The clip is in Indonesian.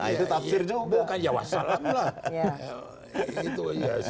nah itu tafsirnya oboh kan ya wassalam lah